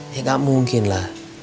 ya gak mungkin lah